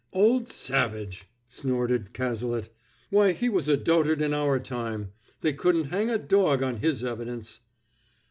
"Old Savage!" snorted Cazalet. "Why, he was a dotard in our time; they couldn't hang a dog on his evidence!"